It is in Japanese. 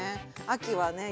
秋はね